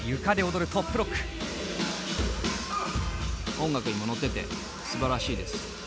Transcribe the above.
音楽にものっててすばらしいです。